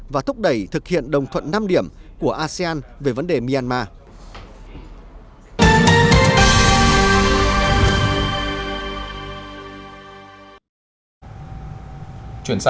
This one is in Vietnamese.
và thúc đẩy thực hiện đồng thuận năm điểm của asean về vấn đề myanmar